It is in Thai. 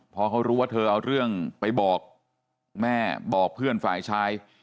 พอเขารู้ว่าเธอเอาเรื่องไปบอกแม่บอกเพื่อนฝ่ายชาย